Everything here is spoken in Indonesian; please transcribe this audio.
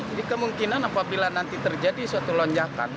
jadi kemungkinan apabila nanti terjadi suatu lonjakan